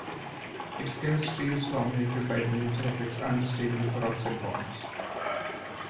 Its chemistry is dominated by the nature of its unstable peroxide bond.